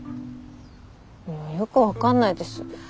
よく分かんないです。